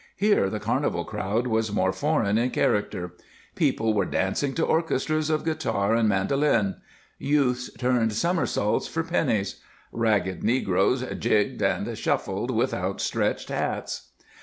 Here the carnival crowd was more foreign in character; people were dancing to orchestras of guitar and mandolin; youths turned somersaults for pennies; ragged negroes jigged and shuffled with outstretched hats.